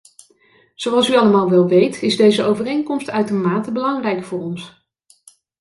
Zoals u allemaal wel weet is deze overeenkomst uitermate belangrijk voor ons.